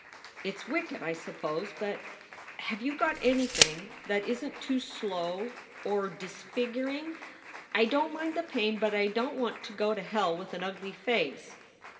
It s wicked, I suppose, but Have you got anything that isn t too slow or disfiguring? I don t mind the pain, but I don t want to go to hell with an ugly face."